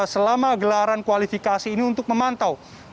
selama gelaran kualifikasi ini untuk memantau